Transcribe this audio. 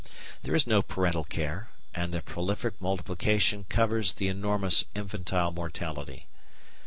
There is no parental care, and the prolific multiplication covers the enormous infantile mortality.